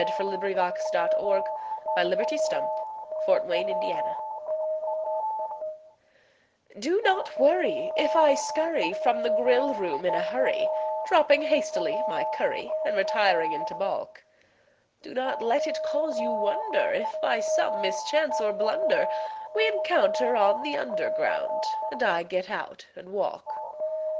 CUPID'S DARTS (Which are a growing menace to the public) Do not worry if I scurry from the grill room in a hurry, Dropping hastily my curry and re tiring into balk ; Do not let it cause you wonder if, by some mischance or blunder, We encounter on the Underground and I get out and walk.